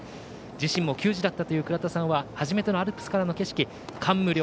自身も球児だったというくらたさんは初めてのアルプスからの景色感無量。